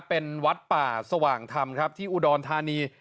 เป็นวัดป่าสว่างธรรมครับที่อุดรธานี